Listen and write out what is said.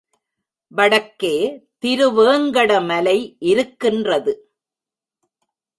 வடக்கே திருவேங்கட மலை இருக்கின்றது.